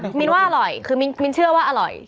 มินว่าอร่อยคือมินเชื่อว่าอร่อย